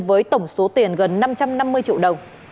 với tổng số tiền gần năm trăm năm mươi triệu đồng